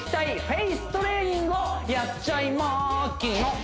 フェイストレーニングをやっちゃいまきのっ！